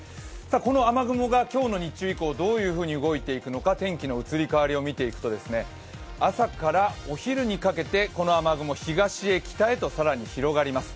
この雨雲が今日の日中以降どういうふうに動いていくのか、天気の移り変わりを見ていくと、朝からお昼にかけて、この雨雲東へ北へと更に広がります。